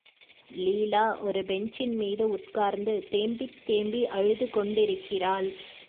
லீலா ஒரு பெஞ்சின் மீது உட்கார்ந்து தேம்பித் தேம்பி அழுதுகொண்டிருக்கிறாள்.